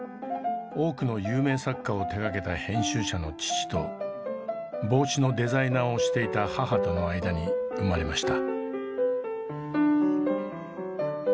多くの有名作家を手がけた編集者の父と帽子のデザイナーをしていた母との間に生まれました。